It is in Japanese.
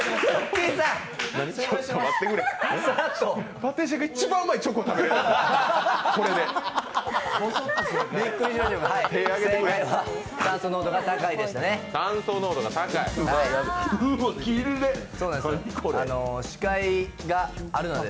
パティシエの一番うまいチョコが食べれるんやで、これで。